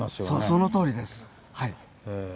そのとおりです。